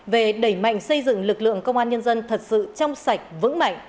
về đẩy mạnh xây dựng lực lượng công an nhân dân thật sự trong sạch vững mạnh